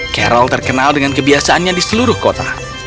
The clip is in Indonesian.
carol terkenal dengan kebiasaannya di seluruh kota